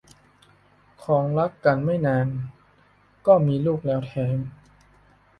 ครองรักกันไม่นานก็มีลูกแล้วแท้ง